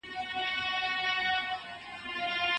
کار کول تمرکز غواړي، نه پریشاني.